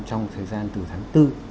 trong thời gian từ tháng bốn